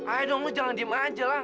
ayo dong lo jangan diem aja lang